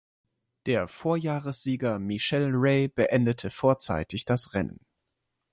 Der Vorjahressieger Michel Rey beendete vorzeitig das Rennen.